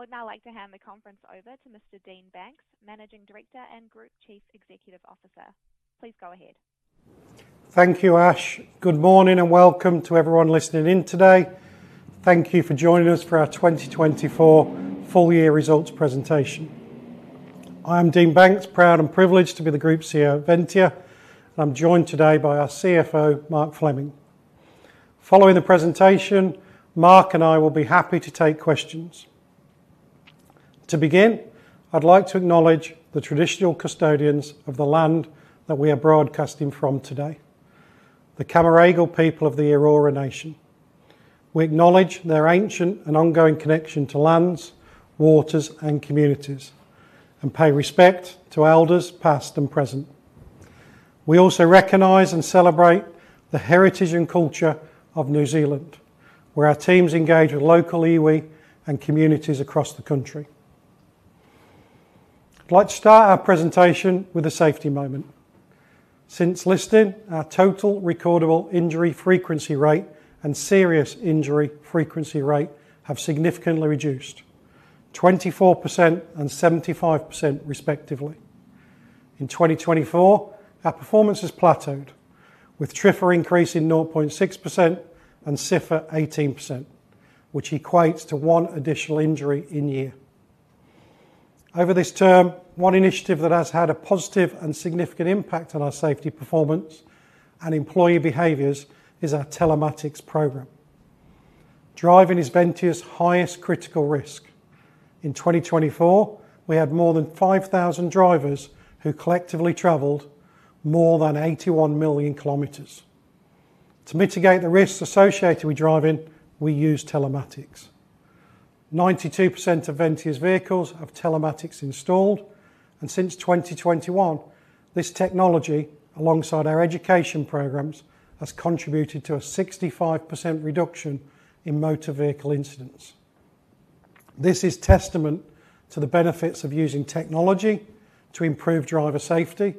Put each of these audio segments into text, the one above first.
I would now like to hand the conference over to Mr. Dean Banks, Managing Director and Group Chief Executive Officer. Please go ahead. Thank you, Ash. Good morning and welcome to everyone listening in today. Thank you for joining us for our 2024 full-year results presentation. I am Dean Banks, proud and privileged to be the Group CEO of Ventia, and I'm joined today by our CFO, Mark Fleming. Following the presentation, Mark and I will be happy to take questions. To begin, I'd like to acknowledge the traditional custodians of the land that we are broadcasting from today, the Cammeraygal people of the Eora Nation. We acknowledge their ancient and ongoing connection to lands, waters, and communities, and pay respect to elders past and present. We also recognize and celebrate the heritage and culture of New Zealand, where our teams engage with local iwi and communities across the country. I'd like to start our presentation with a safety moment. Since listing, our total recordable injury frequency rate and serious injury frequency rate have significantly reduced, 24% and 75% respectively. In 2024, our performance has plateaued, with TRIFR increasing 0.6% and SIFR 18%, which equates to one additional injury in year. Over this term, one initiative that has had a positive and significant impact on our safety performance and employee behaviors is our telematics program. Driving is Ventia's highest critical risk. In 2024, we had more than 5,000 drivers who collectively traveled more than 81 million kilometers. To mitigate the risks associated with driving, we use telematics. 92% of Ventia's vehicles have telematics installed, and since 2021, this technology, alongside our education programs, has contributed to a 65% reduction in motor vehicle incidents. This is testament to the benefits of using technology to improve driver safety,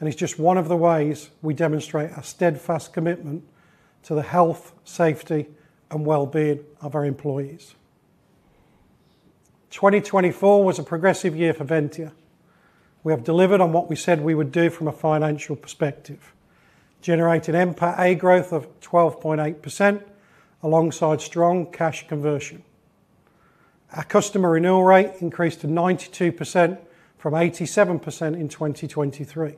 and it's just one of the ways we demonstrate our steadfast commitment to the health, safety, and well-being of our employees. 2024 was a progressive year for Ventia. We have delivered on what we said we would do from a financial perspective, generating NPATA growth of 12.8% alongside strong cash conversion. Our customer renewal rate increased to 92% from 87% in 2023,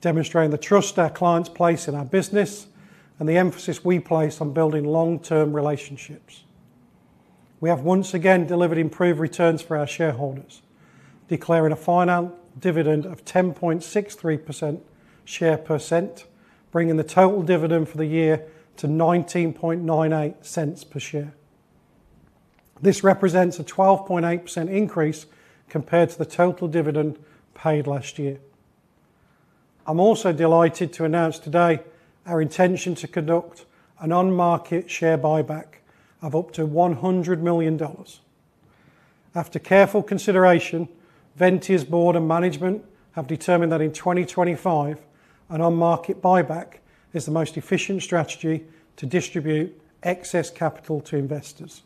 demonstrating the trust our clients place in our business and the emphasis we place on building long-term relationships. We have once again delivered improved returns for our shareholders, declaring a final dividend of $10.63% share per cents, bringing the total dividend for the year to $19.98 cents per share. This represents a 12.8% increase compared to the total dividend paid last year. I'm also delighted to announce today our intention to conduct an on-market share buyback of up to $100 million. After careful consideration, Ventia's board and management have determined that in 2025, an on-market buyback is the most efficient strategy to distribute excess capital to investors.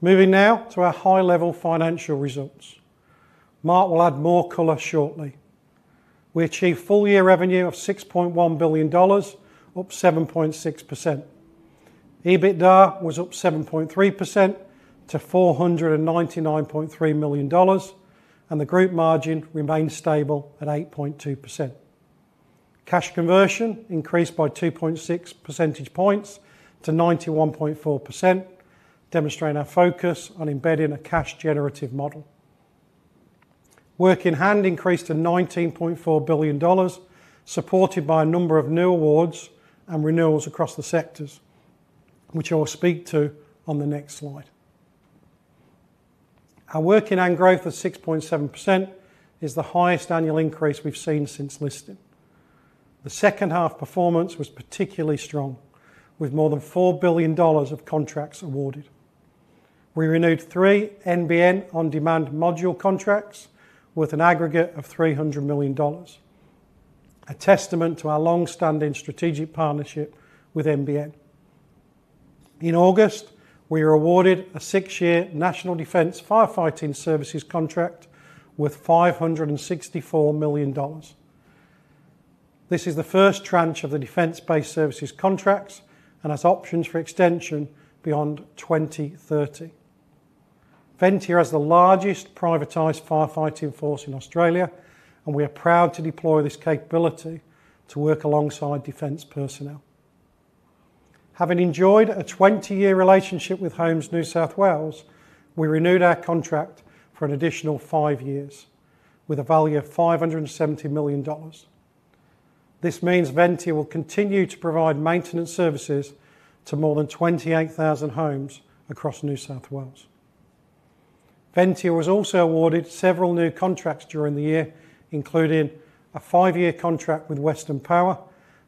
Moving now to our high-level financial results. Mark will add more color shortly. We achieved full-year revenue of $6.1 billion, up 7.6%. EBITDA was up 7.3% to $499.3 million, and the group margin remained stable at 8.2%. Cash conversion increased by 2.6 percentage points to 91.4%, demonstrating our focus on embedding a cash-generative model. Work in hand increased to $19.4 billion, supported by a number of new awards and renewals across the sectors, which I will speak to on the next slide. Our work in hand growth of 6.7% is the highest annual increase we've seen since listing. The second half performance was particularly strong, with more than $4 billion of contracts awarded. We renewed three NBN on-demand module contracts worth an aggregate of $300 million, a testament to our long-standing strategic partnership with NBN. In August, we were awarded a six-year National Defence Firefighting Services contract worth $564 million. This is the first tranche of the Defence-Based Services contracts and has options for extension beyond 2030. Ventia has the largest privatized firefighting force in Australia, and we are proud to deploy this capability to work alongside defence personnel. Having enjoyed a 20-year relationship with Homes NSW, we renewed our contract for an additional five years with a value of $570 million. This means Ventia will continue to provide maintenance services to more than 28,000 homes across New South Wales. Ventia was also awarded several new contracts during the year, including a five-year contract with Western Power,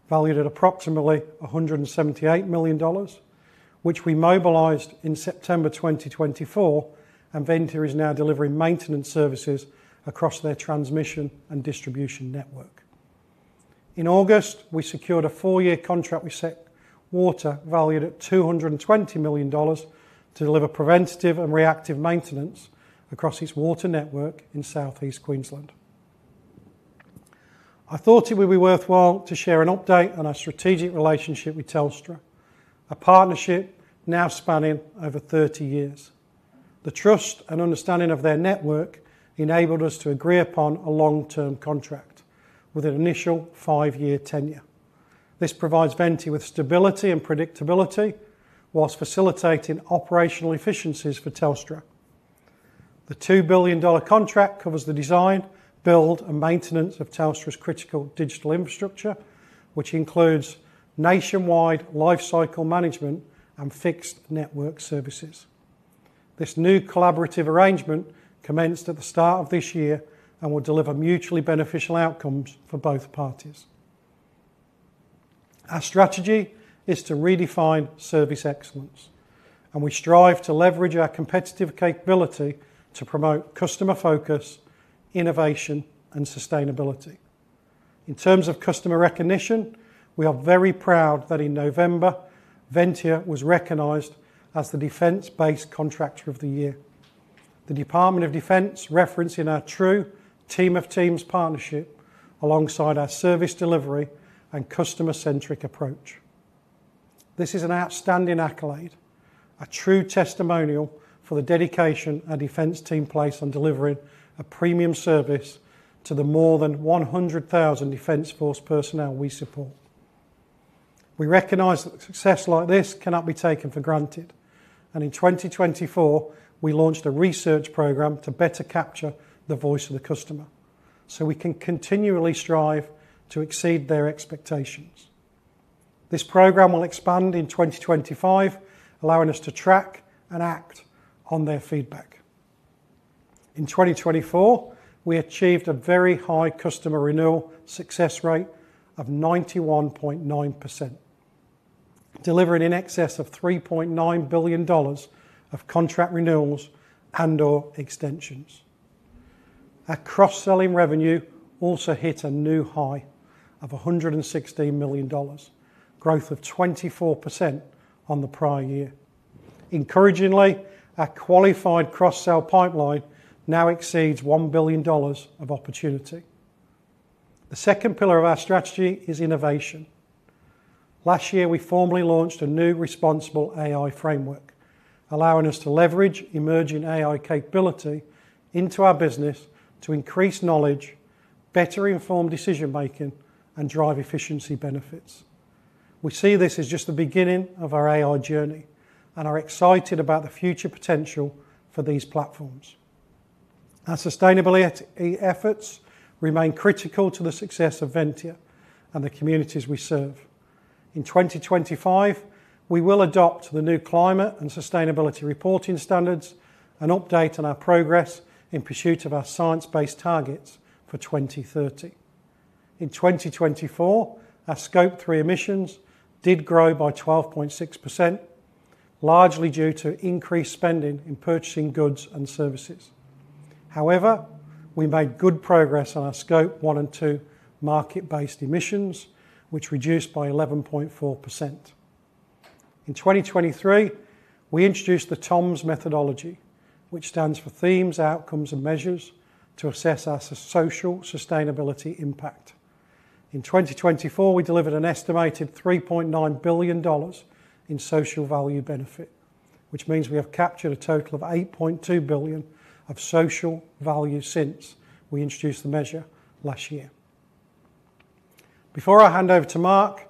valued at approximately $178 million, which we mobilized in September 2024, and Ventia is now delivering maintenance services across their transmission and distribution network. In August, we secured a four-year contract with Seqwater, valued at $220 million, to deliver preventive and reactive maintenance across its water network in Southeast Queensland. I thought it would be worthwhile to share an update on our strategic relationship with Telstra, a partnership now spanning over 30 years. The trust and understanding of their network enabled us to agree upon a long-term contract with an initial five-year tenure. This provides Ventia with stability and predictability while facilitating operational efficiencies for Telstra. the $2 billion contract covers the design, build, and maintenance of Telstra's critical digital infrastructure, which includes nationwide lifecycle management and fixed network services. This new collaborative arrangement commenced at the start of this year and will deliver mutually beneficial outcomes for both parties. Our strategy is to redefine service excellence, and we strive to leverage our competitive capability to promote customer focus, innovation, and sustainability. In terms of customer recognition, we are very proud that in November, Ventia was recognized as the Defence-Based Contractor of the Year, the Department of Defence referencing our true team-of-teams partnership alongside our service delivery and customer-centric approach. This is an outstanding accolade, a true testimonial for the dedication our defence team plays on delivering a premium service to the more than 100,000 Defence Force personnel we support. We recognize that success like this cannot be taken for granted, and in 2024, we launched a research program to better capture the voice of the customer so we can continually strive to exceed their expectations. This program will expand in 2025, allowing us to track and act on their feedback. In 2024, we achieved a very high customer renewal success rate of 91.9%, delivering in excess of $3.9 billion of contract renewals and/or extensions. Our cross-selling revenue also hit a new high of $116 million, growth of 24% on the prior year. Encouragingly, our qualified cross-sell pipeline now exceeds $1 billion of opportunity. The second pillar of our strategy is innovation. Last year, we formally launched a new responsible AI framework, allowing us to leverage emerging AI capability into our business to increase knowledge, better inform decision-making, and drive efficiency benefits. We see this as just the beginning of our AI journey, and are excited about the future potential for these platforms. Our sustainability efforts remain critical to the success of Ventia and the communities we serve. In 2025, we will adopt the new climate and sustainability reporting standards and update on our progress in pursuit of our science-based targets for 2030. In 2024, our Scope 3 emissions did grow by 12.6%, largely due to increased spending in purchasing goods and services. However, we made good progress on our Scope 1 and 2 market-based emissions, which reduced by 11.4%. In 2023, we introduced the TOMS methodology, which stands for Themes, Outcomes, and Measures, to assess our social sustainability impact. In 2024, we delivered an estimated $3.9 billion in social value benefit, which means we have captured a total of $8.2 billion of social value since we introduced the measure last year. Before I hand over to Mark,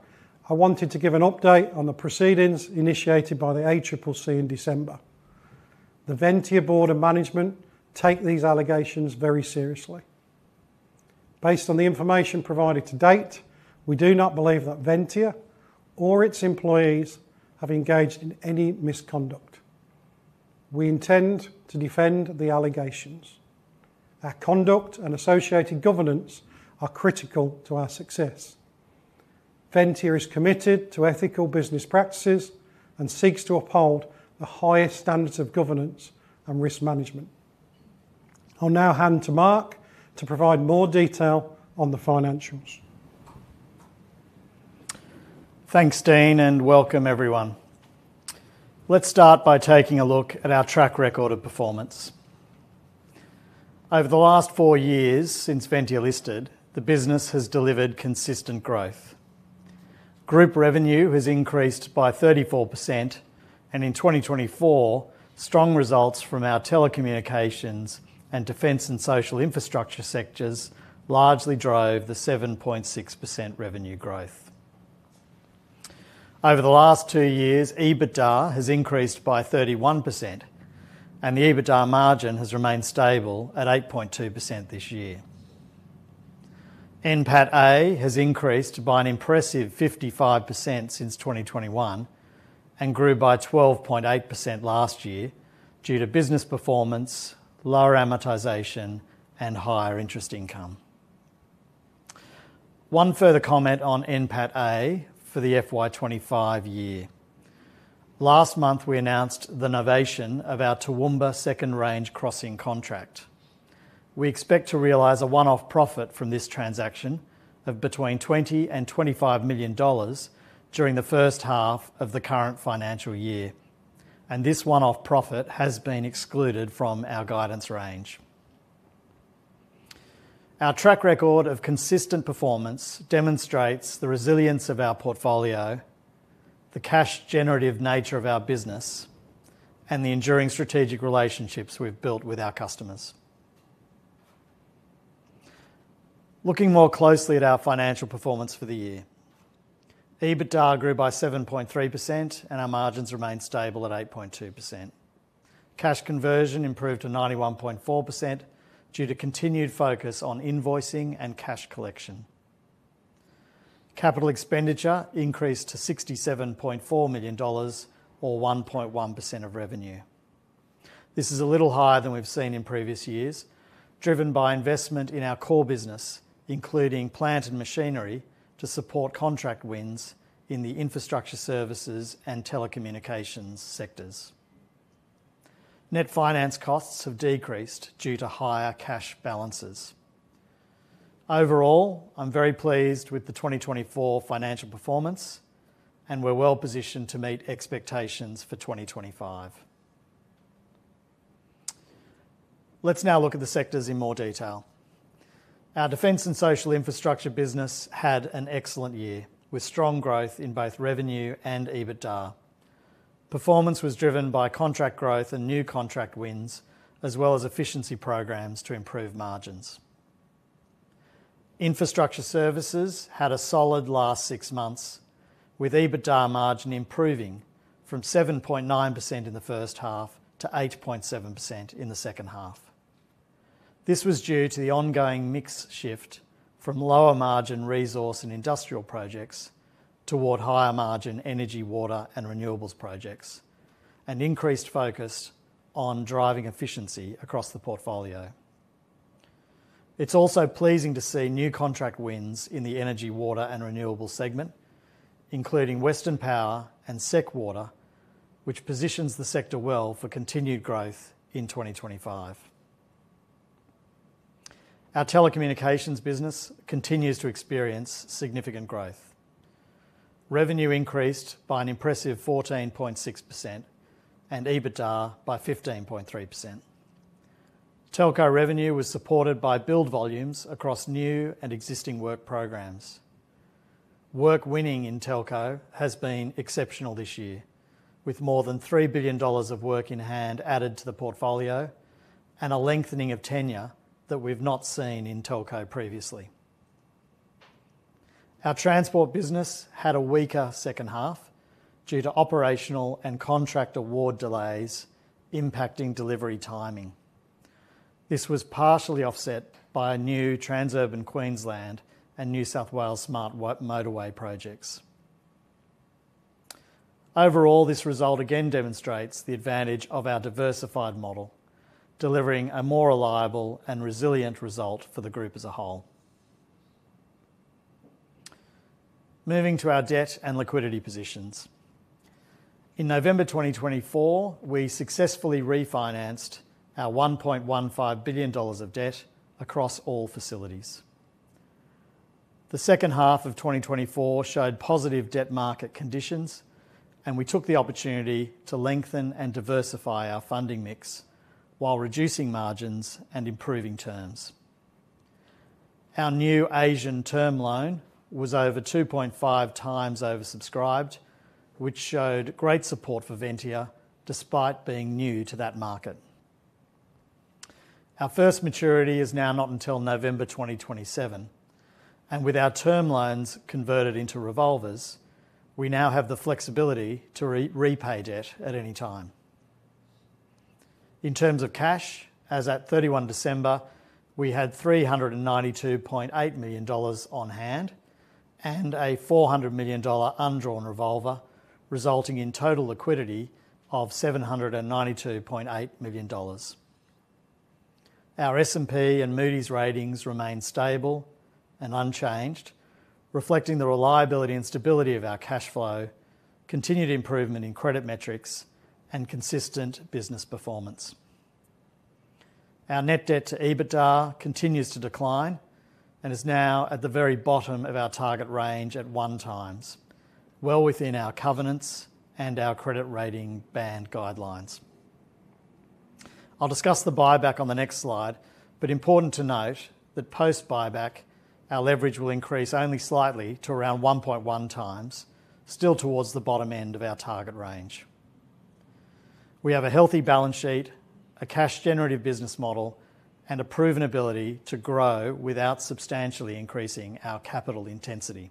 I wanted to give an update on the proceedings initiated by the ACCC in December. The Ventia board and management take these allegations very seriously. Based on the information provided to date, we do not believe that Ventia or its employees have engaged in any misconduct. We intend to defend the allegations. Our conduct and associated governance are critical to our success. Ventia is committed to ethical business practices and seeks to uphold the highest standards of governance and risk management. I'll now hand to Mark to provide more detail on the financials. Thanks, Dean, and welcome, everyone. Let's start by taking a look at our track record of performance. Over the last four years since Ventia listed, the business has delivered consistent growth. Group revenue has increased by 34%, and in 2024, strong results from our telecommunications and defense and social infrastructure sectors largely drove the 7.6% revenue growth. Over the last two years, EBITDA has increased by 31%, and the EBITDA margin has remained stable at 8.2% this year. NPATA has increased by an impressive 55% since 2021 and grew by 12.8% last year due to business performance, lower amortization, and higher interest income. One further comment on NPATA for the FY25 year. Last month, we announced the novation of our Toowoomba Second Range Crossing contract. We expect to realize a one-off profit from this transaction of between $20 million and $25 million during the first half of the current financial year, and this one-off profit has been excluded from our guidance range. Our track record of consistent performance demonstrates the resilience of our portfolio, the cash-generative nature of our business, and the enduring strategic relationships we've built with our customers. Looking more closely at our financial performance for the year, EBITDA grew by 7.3%, and our margins remained stable at 8.2%. Cash conversion improved to 91.4% due to continued focus on invoicing and cash collection. Capital expenditure increased to $67.4 million, or 1.1% of revenue. This is a little higher than we've seen in previous years, driven by investment in our core business, including plant and machinery to support contract wins in the infrastructure services and telecommunications sectors. Net finance costs have decreased due to higher cash balances. Overall, I'm very pleased with the 2024 financial performance, and we're well positioned to meet expectations for 2025. Let's now look at the sectors in more detail. Our defense and social infrastructure business had an excellent year, with strong growth in both revenue and EBITDA. Performance was driven by contract growth and new contract wins, as well as efficiency programs to improve margins. Infrastructure services had a solid last six months, with EBITDA margin improving from 7.9% in the first half to 8.7% in the second half. This was due to the ongoing mix shift from lower margin resource and industrial projects toward higher margin energy, water, and renewables projects, and increased focus on driving efficiency across the portfolio. It's also pleasing to see new contract wins in the energy, water, and renewables segment, including Western Power and Seqwater, which positions the sector well for continued growth in 2025. Our telecommunications business continues to experience significant growth. Revenue increased by an impressive 14.6%, and EBITDA by 15.3%. Telco revenue was supported by build volumes across new and existing work programs. Work winning in telco has been exceptional this year, with more than $3 billion of work in hand added to the portfolio and a lengthening of tenure that we've not seen in telco previously. Our transport business had a weaker second half due to operational and contract award delays impacting delivery timing. This was partially offset by new Transurban Queensland and New South Wales Smart Motorway projects. Overall, this result again demonstrates the advantage of our diversified model, delivering a more reliable and resilient result for the group as a whole. Moving to our debt and liquidity positions. In November 2024, we successfully refinanced our $1.15 billion of debt across all facilities. The second half of 2024 showed positive debt market conditions, and we took the opportunity to lengthen and diversify our funding mix while reducing margins and improving terms. Our new Asian term loan was over 2.5 times oversubscribed, which showed great support for Ventia despite being new to that market. Our first maturity is now not until November 2027, and with our term loans converted into revolvers, we now have the flexibility to repay debt at any time. In terms of cash, as at 31 December, we had $392.8 million on hand and a $400 million undrawn revolver, resulting in total liquidity of $792.8 million. Our S&P and Moody's ratings remain stable and unchanged, reflecting the reliability and stability of our cash flow, continued improvement in credit metrics, and consistent business performance. Our net debt to EBITDA continues to decline and is now at the very bottom of our target range at one times, well within our covenants and our credit rating band guidelines. I'll discuss the buyback on the next slide, but important to note that post-buyback, our leverage will increase only slightly to around 1.1 times, still towards the bottom end of our target range. We have a healthy balance sheet, a cash-generative business model, and a proven ability to grow without substantially increasing our capital intensity.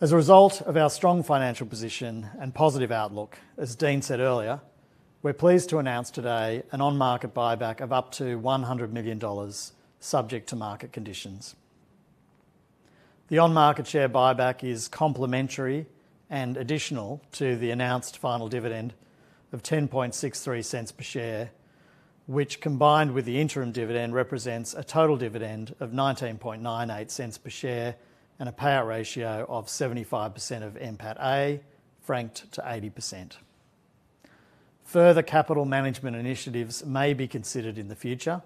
As a result of our strong financial position and positive outlook, as Dean said earlier, we're pleased to announce today an on-market buyback of up to $100 million, subject to market conditions. The on-market share buyback is complementary and additional to the announced final dividend of $10.63 per share, which combined with the interim dividend represents a total dividend of $19.98 per share and a payout ratio of 75% of NPATA, franked to 80%. Further capital management initiatives may be considered in the future,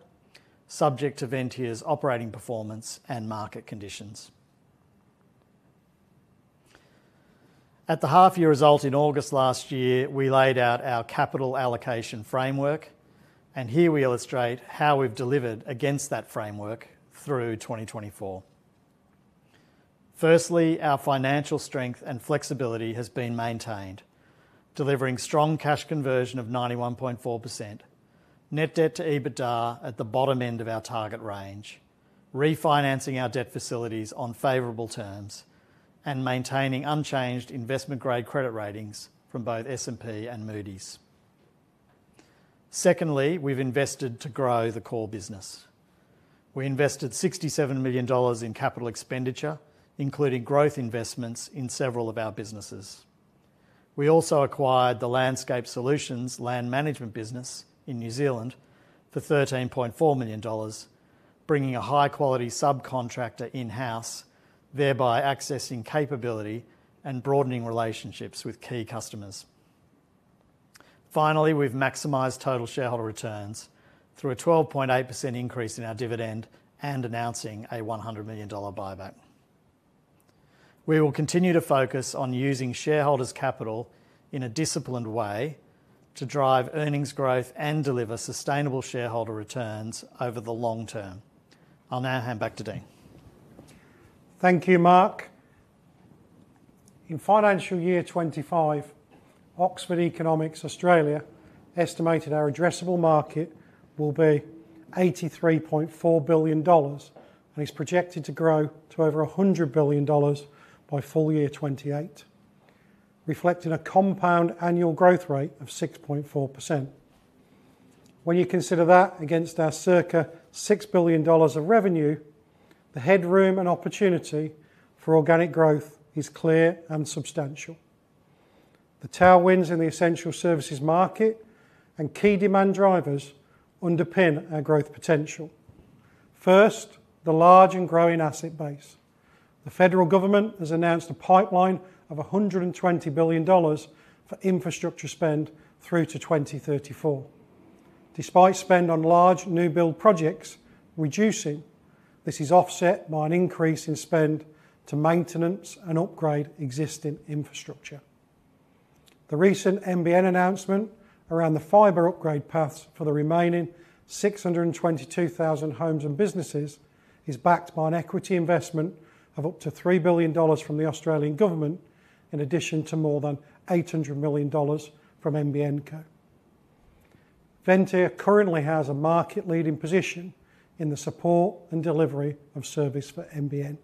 subject to Ventia's operating performance and market conditions. At the half-year result in August last year, we laid out our capital allocation framework, and here we illustrate how we've delivered against that framework through 2024. Firstly, our financial strength and flexibility has been maintained, delivering strong cash conversion of 91.4%, net debt to EBITDA at the bottom end of our target range, refinancing our debt facilities on favorable terms, and maintaining unchanged investment-grade credit ratings from both S&P and Moody's. Secondly, we've invested to grow the core business. We invested $67 million in capital expenditure, including growth investments in several of our businesses. We also acquired the Landscape Solutions land management business in New Zealand for $13.4 million, bringing a high-quality subcontractor in-house, thereby accessing capability and broadening relationships with key customers. Finally, we've maximized total shareholder returns through a 12.8% increase in our dividend and announcing a $100 million buyback. We will continue to focus on using shareholders' capital in a disciplined way to drive earnings growth and deliver sustainable shareholder returns over the long term. I'll now hand back to Dean. Thank you, Mark. In financial year 25, Oxford Economics Australia estimated our addressable market will be $83.4 billion and is projected to grow to over $100 billion by full year 28, reflecting a compound annual growth rate of 6.4%. When you consider that against our circa $6 billion of revenue, the headroom and opportunity for organic growth is clear and substantial. The tailwinds in the essential services market and key demand drivers underpin our growth potential. First, the large and growing asset base. The federal government has announced a pipeline of $120 billion for infrastructure spend through to 2034. Despite spend on large new build projects reducing, this is offset by an increase in spend to maintenance and upgrade existing infrastructure. The recent NBN announcement around the fiber upgrade paths for the remaining 622,000 homes and businesses is backed by an equity investment of up to $3 billion from the Australian Government, in addition to more than $800 million from NBN Co. Ventia currently has a market-leading position in the support and delivery of service for NBN.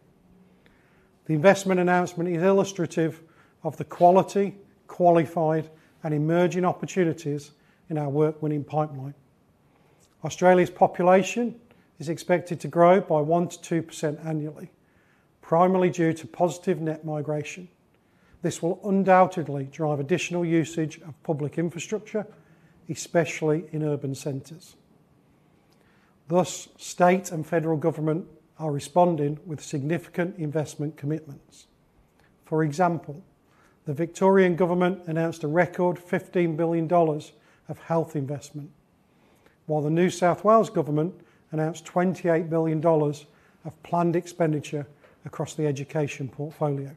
The investment announcement is illustrative of the quality, qualified, and emerging opportunities in our work winning pipeline. Australia's population is expected to grow by 1%-2% annually, primarily due to positive net migration. This will undoubtedly drive additional usage of public infrastructure, especially in urban centers. Thus, state and federal government are responding with significant investment commitments. For example, the Victorian Government announced a record $15 billion of health investment, while the New South Wales Government announced $28 billion of planned expenditure across the education portfolio.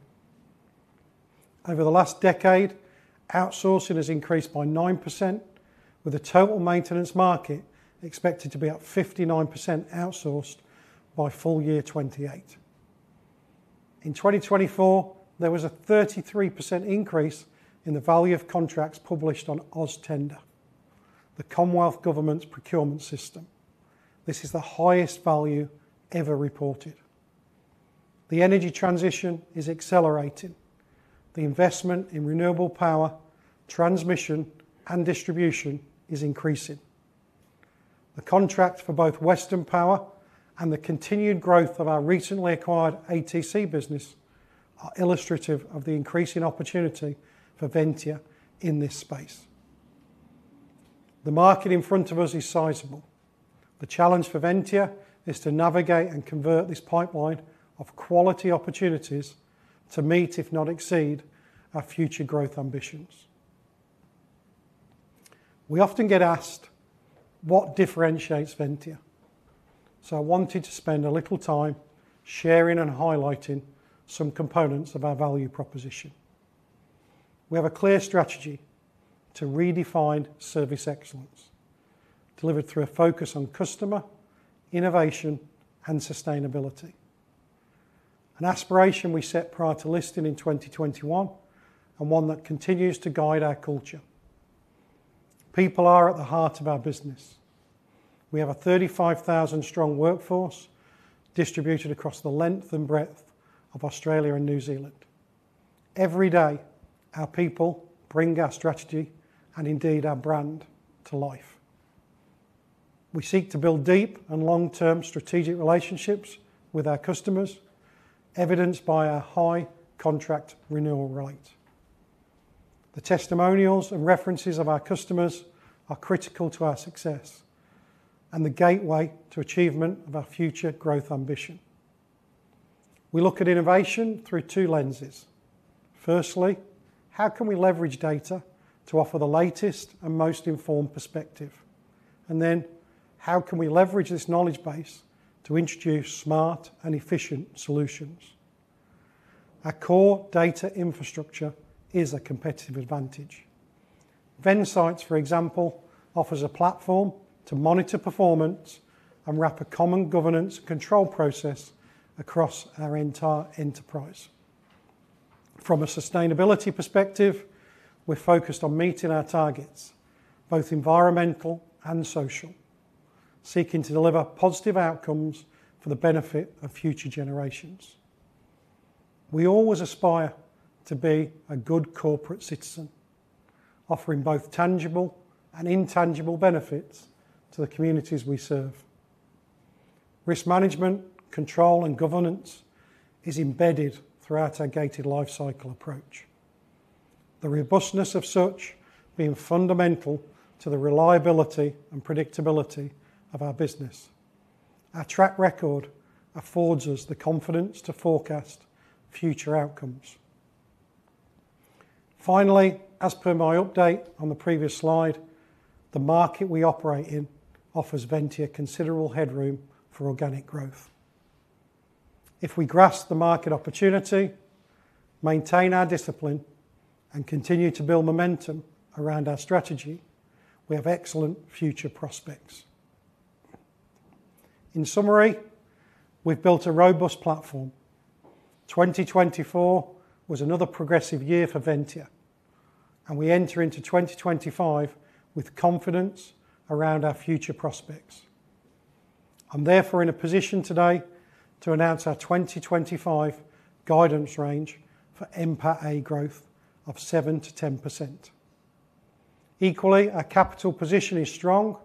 Over the last decade, outsourcing has increased by 9%, with the total maintenance market expected to be up 59% outsourced by full year 2028. In 2024, there was a 33% increase in the value of contracts published on AusTender, the Commonwealth government's procurement system. This is the highest value ever reported. The energy transition is accelerating. The investment in renewable power, transmission, and distribution is increasing. The contract for both Western Power and the continued growth of our recently acquired ATC business are illustrative of the increasing opportunity for Ventia in this space. The market in front of us is sizable. The challenge for Ventia is to navigate and convert this pipeline of quality opportunities to meet, if not exceed, our future growth ambitions. We often get asked, "What differentiates Ventia?" So I wanted to spend a little time sharing and highlighting some components of our value proposition. We have a clear strategy to redefine service excellence, delivered through a focus on customer, innovation, and sustainability, an aspiration we set prior to listing in 2021 and one that continues to guide our culture. People are at the heart of our business. We have a 35,000-strong workforce distributed across the length and breadth of Australia and New Zealand. Every day, our people bring our strategy and indeed our brand to life. We seek to build deep and long-term strategic relationships with our customers, evidenced by our high contract renewal rate. The testimonials and references of our customers are critical to our success and the gateway to achievement of our future growth ambition. We look at innovation through two lenses. Firstly, how can we leverage data to offer the latest and most informed perspective? And then, how can we leverage this knowledge base to introduce smart and efficient solutions? Our core data infrastructure is a competitive advantage. Vensites, for example, offers a platform to monitor performance and wrap a common governance and control process across our entire enterprise. From a sustainability perspective, we're focused on meeting our targets, both environmental and social, seeking to deliver positive outcomes for the benefit of future generations. We always aspire to be a good corporate citizen, offering both tangible and intangible benefits to the communities we serve. Risk management, control, and governance is embedded throughout our gated life cycle approach. The robustness of such being fundamental to the reliability and predictability of our business. Our track record affords us the confidence to forecast future outcomes. Finally, as per my update on the previous slide, the market we operate in offers Ventia considerable headroom for organic growth. If we grasp the market opportunity, maintain our discipline, and continue to build momentum around our strategy, we have excellent future prospects. In summary, we've built a robust platform. 2024 was another progressive year for Ventia, and we enter into 2025 with confidence around our future prospects. I'm therefore in a position today to announce our 2025 guidance range for NPATA growth of 7%-10%. Equally, our capital position is strong,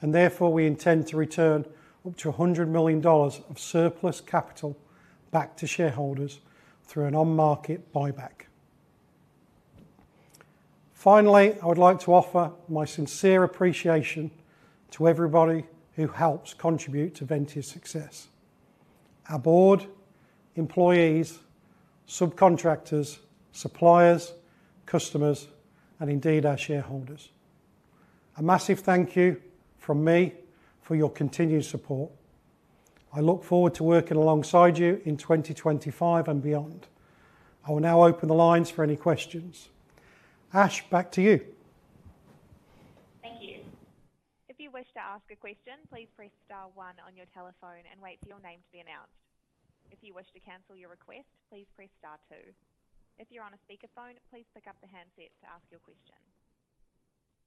and therefore we intend to return up to $100 million of surplus capital back to shareholders through an on-market buyback. Finally, I would like to offer my sincere appreciation to everybody who helps contribute to Ventia's success: our board, employees, subcontractors, suppliers, customers, and indeed our shareholders. A massive thank you from me for your continued support. I look forward to working alongside you in 2025 and beyond. I will now open the lines for any questions. Ash, back to you. Thank you. If you wish to ask a question, please press star one on your telephone and wait for your name to be announced. If you wish to cancel your request, please press star two. If you're on a speakerphone, please pick up the handset to ask your question.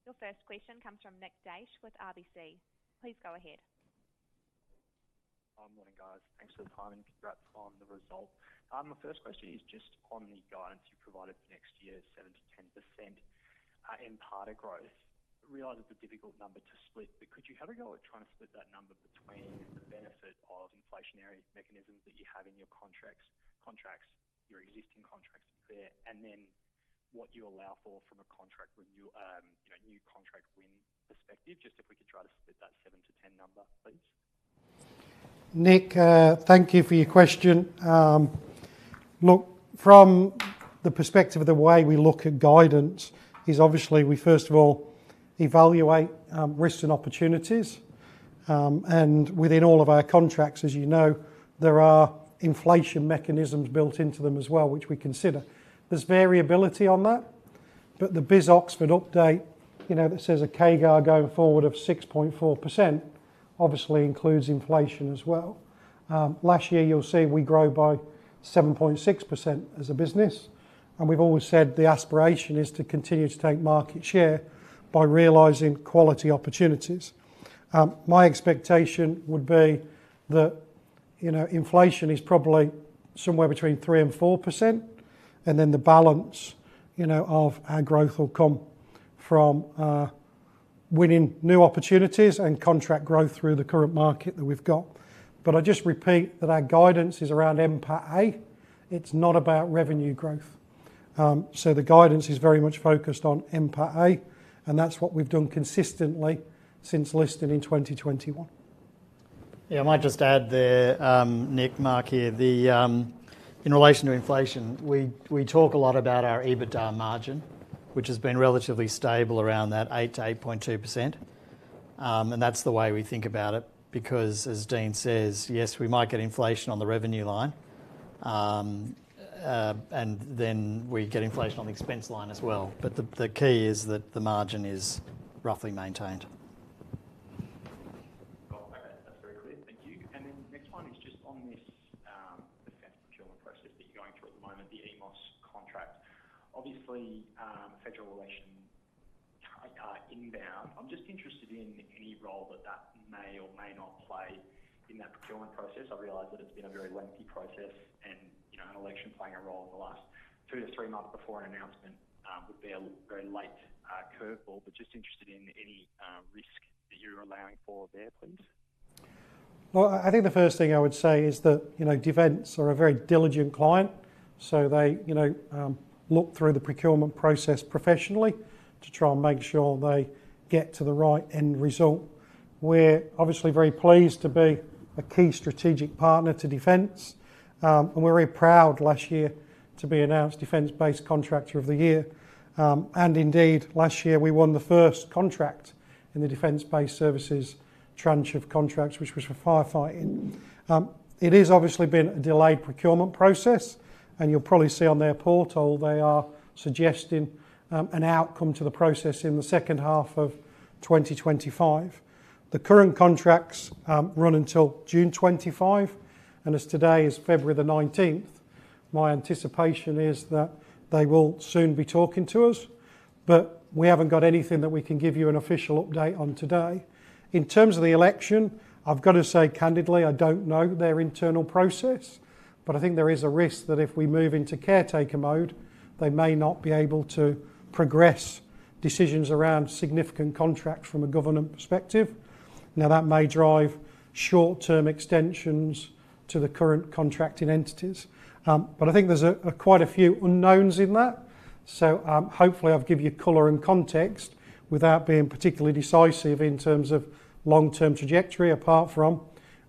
Your first question comes from Nick Daish with RBC. Please go ahead. Good morning, guys. Thanks for the time. Congrats on the result. My first question is just on the guidance you provided for next year, 7%-10% organic growth. I realize it's a difficult number to split, but could you have a go at trying to split that number between the benefit of inflationary mechanisms that you have in your contracts, your existing contracts there, and then what you allow for from a new contract win perspective? Just if we could try to split that 7-10 number, please? Nick, thank you for your question. Look, from the perspective of the way we look at guidance is obviously we, first of all, evaluate risks and opportunities. And within all of our contracts, as you know, there are inflation mechanisms built into them as well, which we consider. There is variability on that. But the Oxford Economics update that says a CAGR going forward of 6.4% obviously includes inflation as well. Last year, you will see we grew by 7.6% as a business. And we have always said the aspiration is to continue to take market share by realizing quality opportunities. My expectation would be that inflation is probably somewhere between 3% and 4%, and then the balance of our growth will come from winning new opportunities and contract growth through the current market that we have got. But I just repeat that our guidance is around NPATA. It's not about revenue growth. So the guidance is very much focused on NPATA, and that's what we've done consistently since listing in 2021. Yeah, I might just add there, Nick. Mark here, in relation to inflation, we talk a lot about our EBITDA margin, which has been relatively stable around that 8%-8.2%. And that's the way we think about it because, as Dean says, yes, we might get inflation on the revenue line, and then we get inflation on the expense line as well. But the key is that the margin is roughly maintained. Okay, that's very clear. Thank you. And then next one is just on this defense procurement process that you're going through at the moment, the EMOS contract. Obviously, federal elections are inbound. I'm just interested in any role that may or may not play in that procurement process. I realize that it's been a very lengthy process, and an election playing a role in the last two to three months before an announcement would be a very late curveball. Just interested in any risk that you're allowing for there, please? I think the first thing I would say is that Defence are a very diligent client, so they look through the procurement process professionally to try and make sure they get to the right end result. We're obviously very pleased to be a key strategic partner to Defence, and we're very proud last year to be announced Defence-Based Contractor of the Year. Indeed, last year, we won the first contract in the Defence-based services tranche of contracts, which was for firefighting. It has obviously been a delayed procurement process, and you'll probably see on their portal, they are suggesting an outcome to the process in the second half of 2025. The current contracts run until June 25, and as today is February the 19th, my anticipation is that they will soon be talking to us, but we haven't got anything that we can give you an official update on today. In terms of the election, I've got to say candidly, I don't know their internal process, but I think there is a risk that if we move into caretaker mode, they may not be able to progress decisions around significant contracts from a governance perspective. Now, that may drive short-term extensions to the current contracting entities. But I think there's quite a few unknowns in that. So hopefully, I've given you color and context without being particularly decisive in terms of long-term trajectory, apart from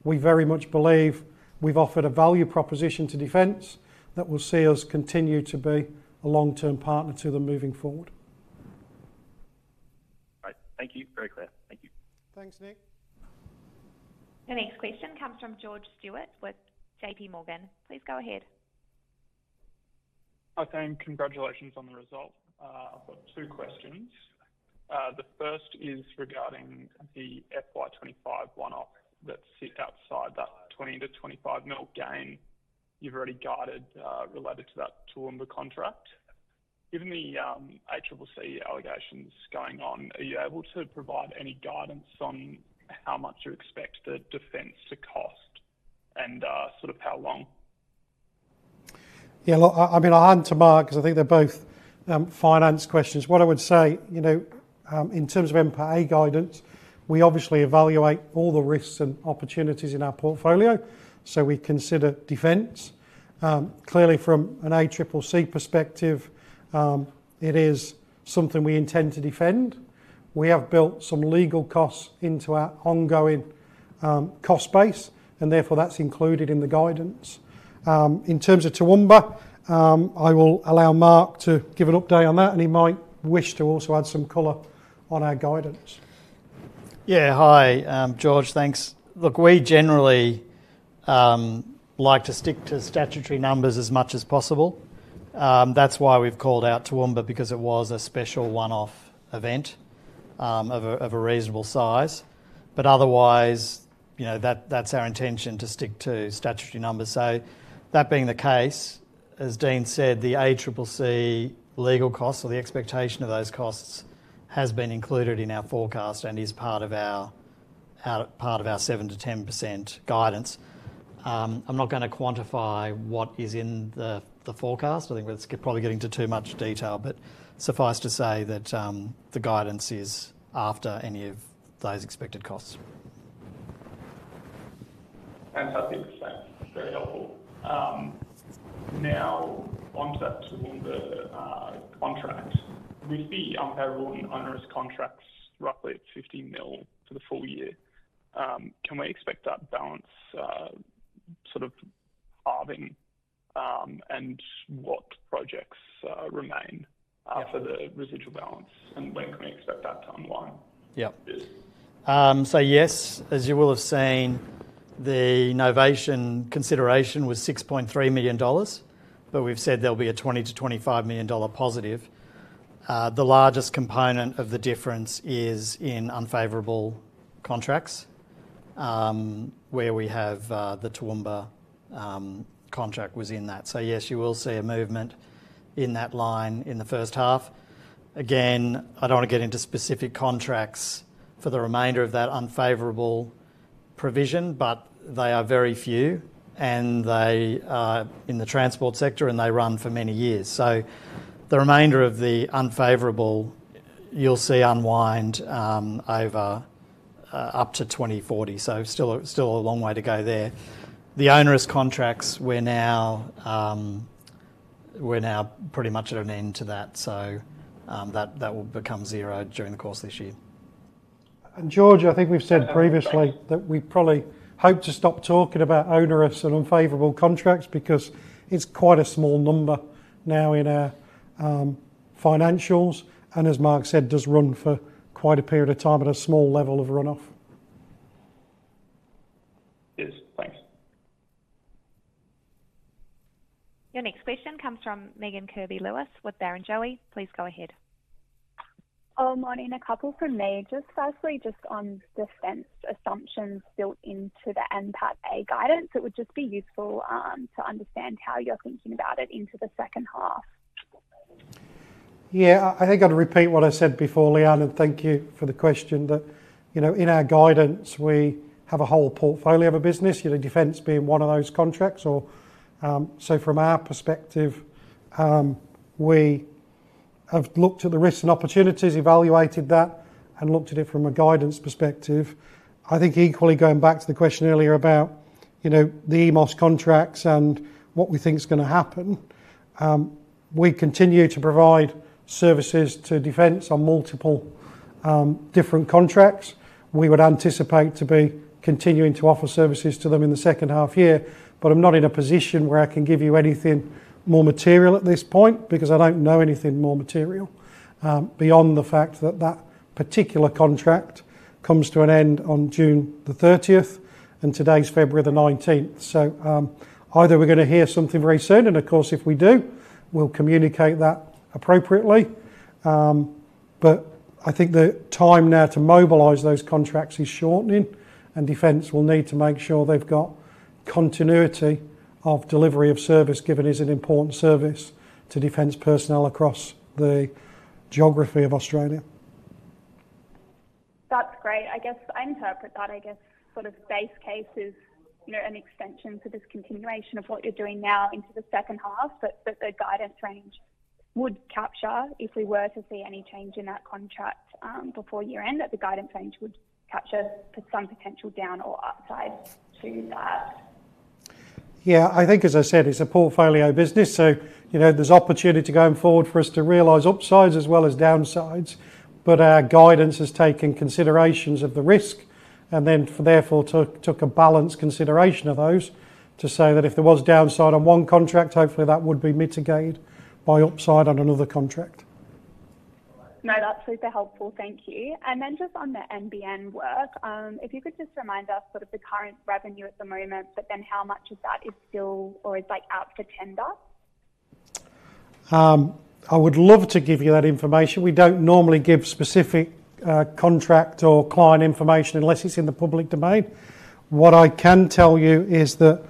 we very much believe we've offered a value proposition to Defence that will see us continue to be a long-term partner to them moving forward. Right. Thank you. Very clear. Thanks Nick. The next question comes from George Stewart with JPMorgan. Please go ahead. Hi, Dean. Congratulations on the result. I've got two questions. The first is regarding the FY25 one-off that's set outside that $20-$25 million gain you've already guided related to that tool and the contract. Given the ACCC allegations going on, are you able to provide any guidance on how much you expect the defense to cost and sort of how long? Yeah, look, I mean, I'll add to Mark because I think they're both finance questions. What I would say in terms of NPATA guidance, we obviously evaluate all the risks and opportunities in our portfolio, so we consider defense. Clearly, from an ACCC perspective, it is something we intend to defend. We have built some legal costs into our ongoing cost base, and therefore, that's included in the guidance. In terms of Toowoomba, I will allow Mark to give an update on that, and he might wish to also add some color on our guidance. Yeah, hi, George. Thanks. Look, we generally like to stick to statutory numbers as much as possible. That's why we've called out Toowoomba because it was a special one-off event of a reasonable size. But otherwise, that's our intention to stick to statutory numbers. So that being the case, as Dean said, the ACCC legal costs or the expectation of those costs has been included in our forecast and is part of our 7%-10% guidance. I'm not going to quantify what is in the forecast. I think we're probably getting into too much detail, but suffice to say that the guidance is after any of those expected costs. Fantastic. Thanks. Very helpful. Now, onto that Toowoomba contract. With the unpayable and onerous contracts, roughly at $50 million for the full year, can we expect that balance sort of halving and what projects remain for the residual balance, and when can we expect that to unwind? Yeah. So yes, as you will have seen, the novation consideration was $6.3 million, but we've said there'll be a $20 million-$25 million positive. The largest component of the difference is in unfavorable contracts where we have the Toowoomba contract was in that. So yes, you will see a movement in that line in the first half. Again, I don't want to get into specific contracts for the remainder of that unfavorable provision, but they are very few, and they are in the transport sector, and they run for many years. So the remainder of the unfavorable, you'll see unwind over up to 2040. So still a long way to go there. The onerous contracts, we're now pretty much at an end to that. So that will become zero during the course of this year. And George, I think we've said previously that we probably hope to stop talking about onerous and unfavorable contracts because it's quite a small number now in our financials and, as Mark said, does run for quite a period of time at a small level of runoff. Yes. Thanks. Your next question comes from Megan Kirby-Lewis with Barrenjoey. Please go ahead. Oh, morning. A couple for me. Just firstly, just on defense assumptions built into the NPATA guidance, it would just be useful to understand how you're thinking about it into the second half. Yeah, I think I'd repeat what I said before, Megan, and thank you for the question. That in our guidance, we have a whole portfolio of a business, defense being one of those contracts. From our perspective, we have looked at the risks and opportunities, evaluated that, and looked at it from a guidance perspective. I think equally going back to the question earlier about the EMOS contracts and what we think is going to happen, we continue to provide services to Defence on multiple different contracts. We would anticipate to be continuing to offer services to them in the second half year, but I'm not in a position where I can give you anything more material at this point because I don't know anything more material beyond the fact that that particular contract comes to an end on June the 30th, and today is February the 19th. Either we're going to hear something very soon, and of course, if we do, we'll communicate that appropriately. But I think the time now to mobilize those contracts is shortening, and defense will need to make sure they've got continuity of delivery of service, given it is an important service to defense personnel across the geography of Australia. That's great. I guess I interpret that, I guess, sort of base case is an extension to discontinuation of what you're doing now into the second half, but that the guidance range would capture if we were to see any change in that contract before year-end, that the guidance range would capture some potential down or upside to that. Yeah, I think, as I said, it's a portfolio business. So there's opportunity going forward for us to realize upsides as well as downsides, but our guidance has taken considerations of the risk and then therefore took a balanced consideration of those to say that if there was downside on one contract, hopefully that would be mitigated by upside on another contract. No, that's super helpful. Thank you. And then just on the NBN work, if you could just remind us sort of the current revenue at the moment, but then how much of that is still or is out for tender? I would love to give you that information. We don't normally give specific contract or client information unless it's in the public domain. What I can tell you is that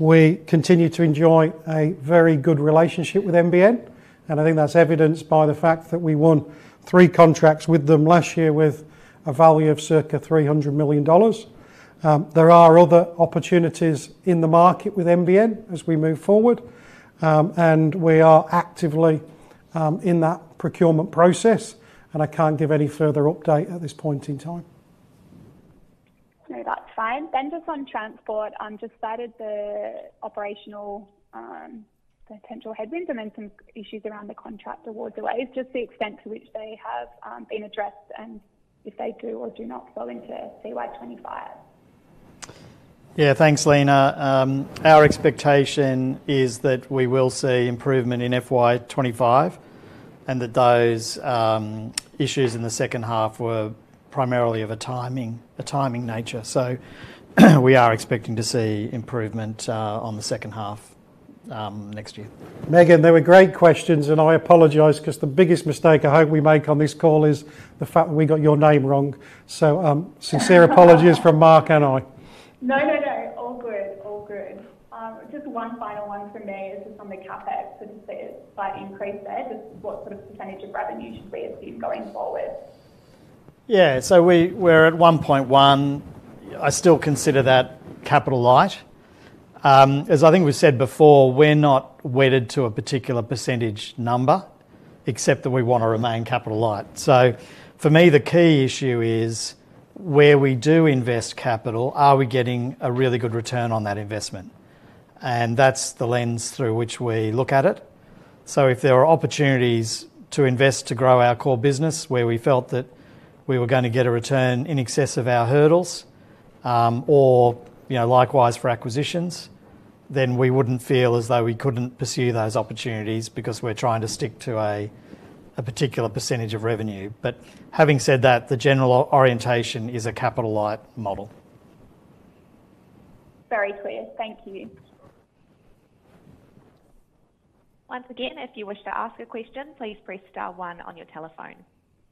we continue to enjoy a very good relationship with NBN, and I think that's evidenced by the fact that we won three contracts with them last year with a value of circa $300 million. There are other opportunities in the market with NBN as we move forward, and we are actively in that procurement process, and I can't give any further update at this point in time. No, that's fine. Then just on transport, I'm just started the operational potential headwinds and then some issues around the contract award delays, just the extent to which they have been addressed and if they do or do not fall into CY25. Yeah, thanks, Lynne. Our expectation is that we will see improvement in FY25 and that those issues in the second half were primarily of a timing nature. So we are expecting to see improvement on the second half next year. Megan, they were great questions, and I apologize because the biggest mistake I hope we make on this call is the fact that we got your name wrong. So sincere apologies from Mark and I. No, no, no. All good. All good. Just one final one for me. It's just on the CapEx, so to say, it's slightly increased there. Just what sort of percentage of revenue should we assume going forward? Yeah, so we're at 1.1%. I still consider that capital light. As I think we've said before, we're not wedded to a particular percentage number except that we want to remain capital light. So for me, the key issue is where we do invest capital, are we getting a really good return on that investment? And that's the lens through which we look at it. So if there are opportunities to invest to grow our core business where we felt that we were going to get a return in excess of our hurdles or likewise for acquisitions, then we wouldn't feel as though we couldn't pursue those opportunities because we're trying to stick to a particular percentage of revenue. But having said that, the general orientation is a capital light model. Very clear. Thank you. Once again if you wish to ask a question please press star one on your telephone.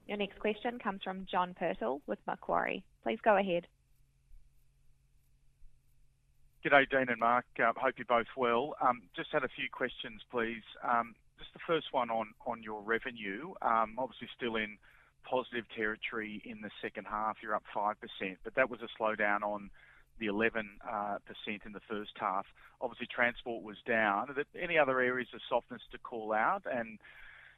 Your next question comes from John Purtell with Macquarie. Please go ahead. Good day, Dean and Mark. Hope you're both well. Just had a few questions, please? Just the first one on your revenue, obviously still in positive territory in the second half, you're up 5%, but that was a slowdown on the 11% in the first half. Obviously, transport was down. Any other areas of softness to call out? And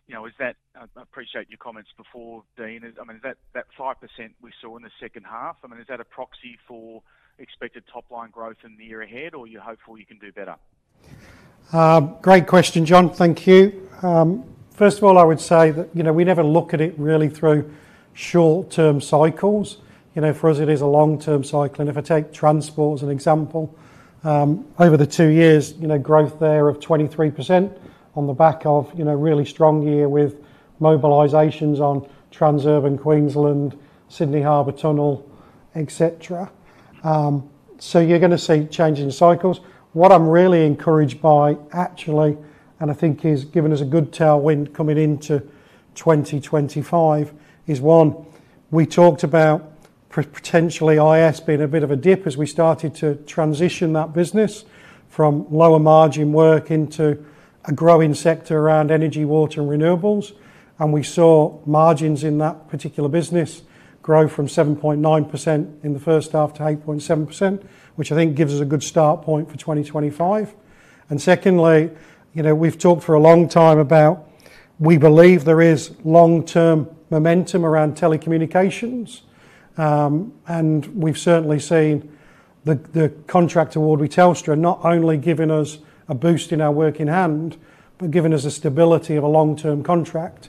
I appreciate your comments before, Dean. I mean, is that 5% we saw in the second half? I mean, is that a proxy for expected top-line growth in the year ahead, or are you hopeful you can do better? Great question, John. Thank you. First of all, I would say that we never look at it really through short-term cycles. For us, it is a long-term cycle. And if I take transport as an example, over the two years, growth there of 23% on the back of a really strong year with mobilizations on Transurban Queensland, Sydney Harbour Tunnel, etc. So you're going to see changing cycles. What I'm really encouraged by, actually, and I think has given us a good tailwind coming into 2025, is one, we talked about potentially IS being a bit of a dip as we started to transition that business from lower margin work into a growing sector around energy, water, and renewables. And we saw margins in that particular business grow from 7.9% in the first half to 8.7%, which I think gives us a good start point for 2025. And secondly, we've talked for a long time about we believe there is long-term momentum around telecommunications, and we've certainly seen the contract award with Telstra not only giving us a boost in our work in hand, but giving us a stability of a long-term contract,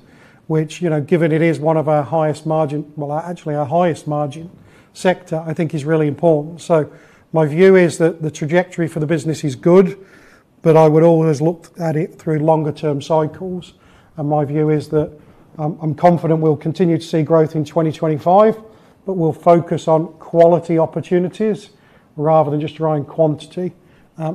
which, given it is one of our highest margin well, actually, our highest margin sector, I think is really important. So my view is that the trajectory for the business is good, but I would always look at it through longer-term cycles. And my view is that I'm confident we'll continue to see growth in 2025, but we'll focus on quality opportunities rather than just drawing quantity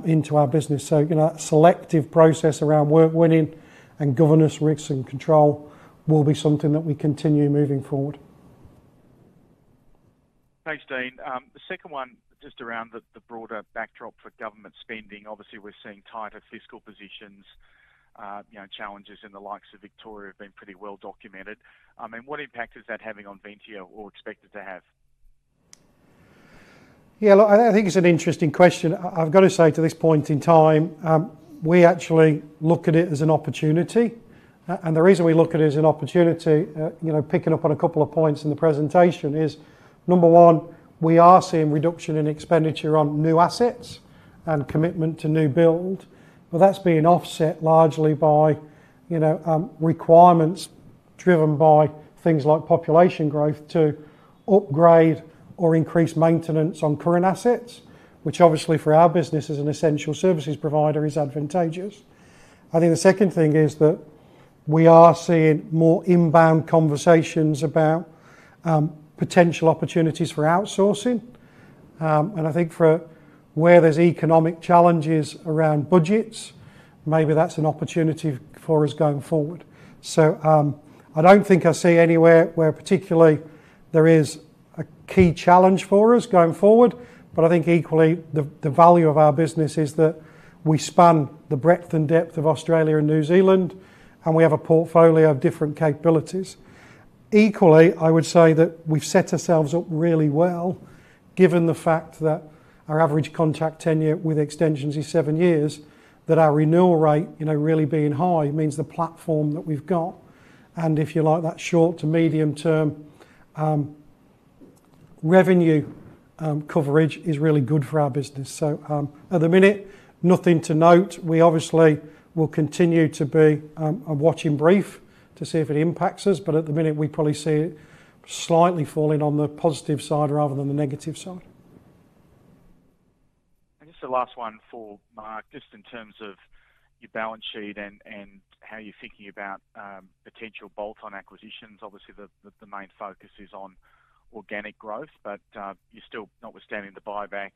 into our business. So that selective process around work winning and governance, risks, and control will be something that we continue moving forward. Thanks, Dean. The second one, just around the broader backdrop for government spending, obviously, we're seeing tighter fiscal positions, challenges in the likes of Victoria have been pretty well documented. I mean, what impact is that having on Ventia or expected to have? Yeah, look, I think it's an interesting question. I've got to say, to this point in time, we actually look at it as an opportunity. The reason we look at it as an opportunity, picking up on a couple of points in the presentation, is number one, we are seeing reduction in expenditure on new assets and commitment to new build, but that's being offset largely by requirements driven by things like population growth to upgrade or increase maintenance on current assets, which obviously, for our business as an essential services provider, is advantageous. I think the second thing is that we are seeing more inbound conversations about potential opportunities for outsourcing. I think for where there's economic challenges around budgets, maybe that's an opportunity for us going forward. So I don't think I see anywhere where particularly there is a key challenge for us going forward, but I think equally, the value of our business is that we span the breadth and depth of Australia and New Zealand, and we have a portfolio of different capabilities. Equally, I would say that we've set ourselves up really well, given the fact that our average contract tenure with extensions is seven years, that our renewal rate really being high means the platform that we've got. And if you like, that short to medium-term revenue coverage is really good for our business. So at the minute, nothing to note. We obviously will continue to be watching brief to see if it impacts us, but at the minute, we probably see it slightly falling on the positive side rather than the negative side. And just the last one, for Mark, just in terms of your balance sheet and how you're thinking about potential bolt-on acquisitions. Obviously, the main focus is on organic growth, but you're still, notwithstanding the buyback,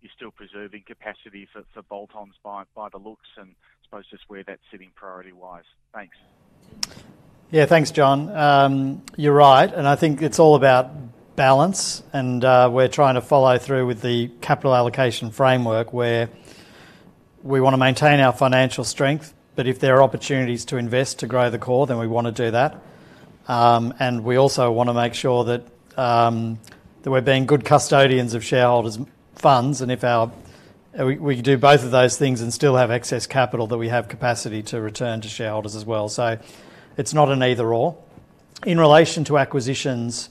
you're still preserving capacity for bolt-ons by the looks, and I suppose just where that's sitting priority-wise. Thanks. Yeah, thanks, John. You're right. And I think it's all about balance, and we're trying to follow through with the capital allocation framework where we want to maintain our financial strength, but if there are opportunities to invest to grow the core, then we want to do that. And we also want to make sure that we're being good custodians of shareholders' funds, and if we can do both of those things and still have excess capital, that we have capacity to return to shareholders as well. So it's not an either/or. In relation to acquisitions,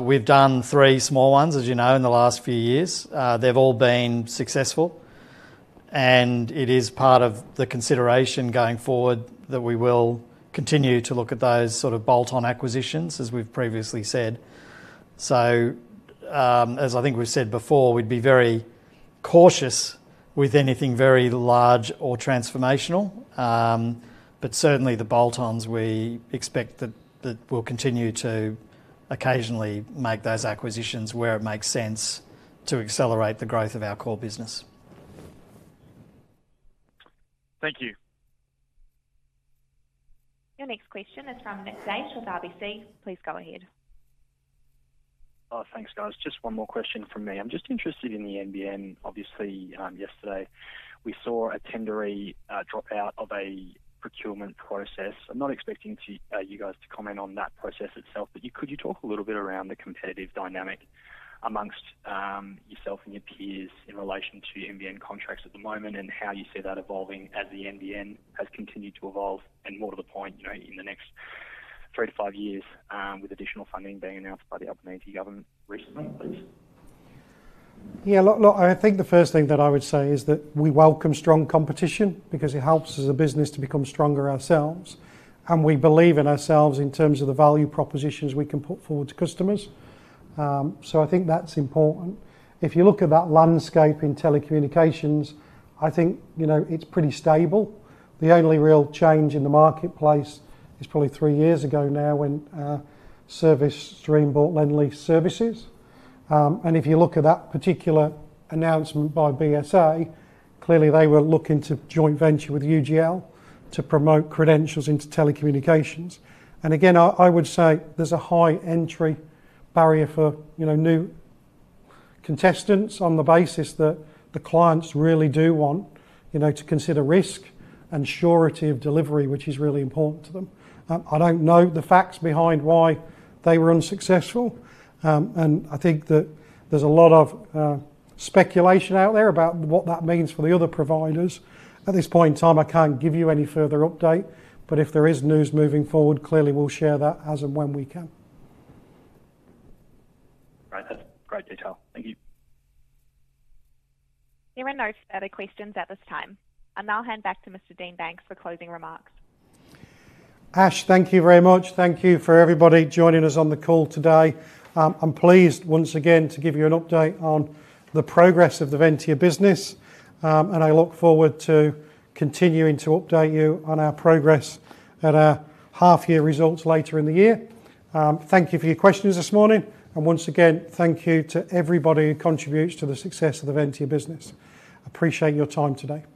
we've done three small ones, as you know, in the last few years. They've all been successful, and it is part of the consideration going forward that we will continue to look at those sort of bolt-on acquisitions, as we've previously said. So as I think we've said before, we'd be very cautious with anything very large or transformational, but certainly, the bolt-ons, we expect that we'll continue to occasionally make those acquisitions where it makes sense to accelerate the growth of our core business. Thank you. Your next question is from Nick Daish with RBC. Please go ahead. Thanks, guys. Just one more question from me. I'm just interested in the NBN. Obviously, yesterday, we saw a tender drop out of a procurement process. I'm not expecting you guys to comment on that process itself, but could you talk a little bit around the competitive dynamic among yourself and your peers in relation to NBN contracts at the moment and how you see that evolving as the NBN has continued to evolve and more to the point in the next three to five years with additional funding being announced by the Albanese government recently, please? Yeah, look, I think the first thing that I would say is that we welcome strong competition because it helps as a business to become stronger ourselves, and we believe in ourselves in terms of the value propositions we can put forward to customers. So I think that's important. If you look at that landscape in telecommunications, I think it's pretty stable. The only real change in the marketplace is probably three years ago now when ServiceStream bought Lendlease Services. And if you look at that particular announcement by BSA, clearly, they were looking to joint venture with UGL to promote credentials into telecommunications. And again, I would say there's a high entry barrier for new contestants on the basis that the clients really do want to consider risk and surety of delivery, which is really important to them. I don't know the facts behind why they were unsuccessful, and I think that there's a lot of speculation out there about what that means for the other providers. At this point in time, I can't give you any further update, but if there is news moving forward, clearly, we'll share that as and when we can. Right. That's great detail. Thank you. There are no further questions at this time. And I'll hand back to Mr. Dean Banks for closing remarks. Ash, thank you very much. Thank you for everybody joining us on the call today. I'm pleased, once again, to give you an update on the progress of the Ventia business, and I look forward to continuing to update you on our progress and our half-year results later in the year. Thank you for your questions this morning, and once again, thank you to everybody who contributes to the success of the Ventia business. Appreciate your time today.